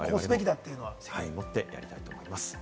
責任を持ってやりたいと思います。